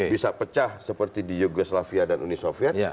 bisa pecah seperti di yogoslavia dan uni soviet